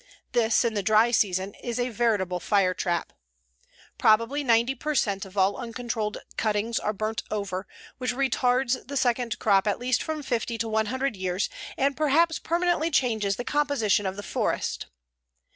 This, in the dry season, is a veritable fire trap. Probably 90 per cent of all uncontrolled cuttings are burnt over, which retards the second crop at least from fifty to one hundred years and perhaps permanently changes the composition of the forest.